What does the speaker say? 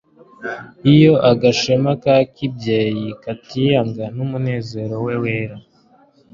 iyo agashema ka kibyeyi katiyanga n'umunezero we wera.